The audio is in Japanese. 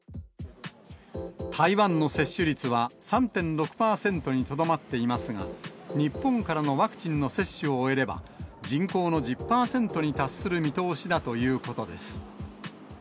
台湾の接種率は３．６％にとどまっていますが、日本からのワクチンの接種を終えれば、人口の１０％に達する見通しだということです。